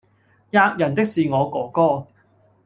喫人的是我哥哥！